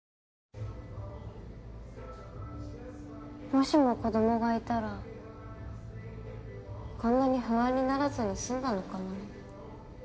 もしも子どもがいたらこんなに不安にならずにすんだのかな。